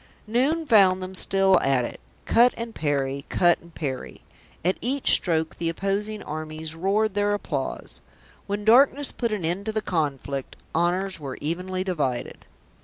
Noon found them still at it; cut and parry, cut and parry; at each stroke the opposing armies roared their applause. When darkness put an end to the conflict, honours were evenly divided.